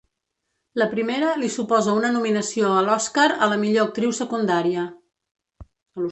La primera li suposa una nominació a l'Oscar a la millor actriu secundària.